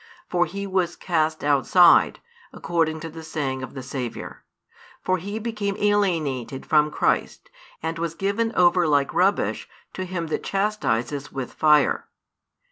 For he was cast outside, according to the saying of the Saviour. For he became alienated from Christ, and was given over like rubbish to him that chastises with fire.